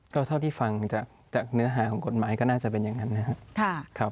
ก็เท่าที่ฟังจากเนื้อหาของกฎหมายก็น่าจะเป็นอย่างนั้นนะครับ